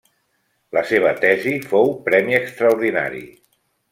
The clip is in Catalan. La seva tesi fou premi extraordinari.